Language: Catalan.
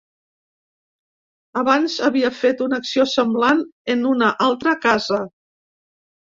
Abans havia fet una acció semblant en una altra casa.